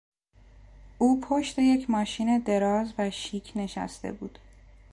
او پشت یک ماشین دراز و شیک نشسته بود.